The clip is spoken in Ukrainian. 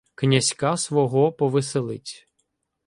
Князька свого повеселить.